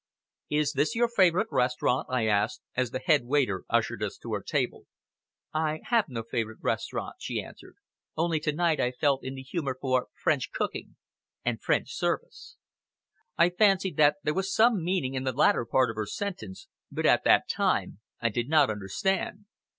"Is this your favorite restaurant?" I asked, as the head waiter ushered us to our table. "I have no favorite restaurant," she answered; "only to night I felt in the humor for French cooking and French service." I fancied that there was some meaning in the latter part of her sentence; but at that time I did not understand.